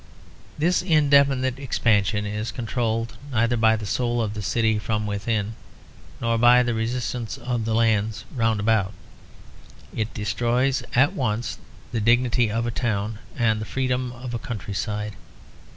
This indefinite expansion is controlled neither by the soul of the city from within, nor by the resistance of the lands round about. It destroys at once the dignity of a town and the freedom of a countryside.